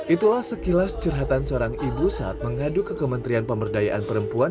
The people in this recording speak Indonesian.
itulah sekilas curhatan seorang ibu saat mengadu ke kementerian pemberdayaan perempuan